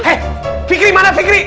eh fikri mana fikri